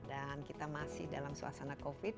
dan kita masih dalam suasana covid